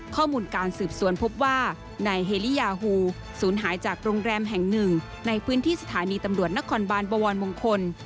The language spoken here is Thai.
ข้อมูลการสืบสวนพบว่านายเฮลียาฮูสูญหายจากโรงแรมแห่งหนึ่งในพื้นที่สถานีตำรวจนครบานบวรมงคล